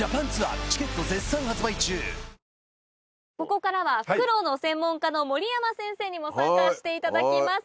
ここからはフクロウの専門家の守山先生にも参加していただきます。